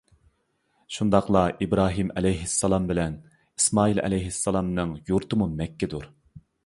شۇنداقلا ئىبراھىم ئەلەيھىسسالام بىلەن ئىسمائىل ئەلەيھىسسالامنىڭ يۇرتىمۇ مەككىدۇر.